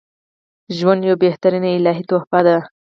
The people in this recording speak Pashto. ژوند یوه بهترینه الهی تحفه ده